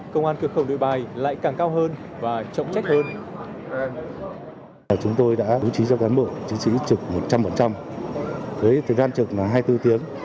công an cửa khẩu đôi bài lại càng cao hơn và trọng trách hơn